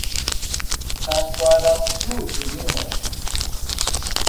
Taquaraçu de Minas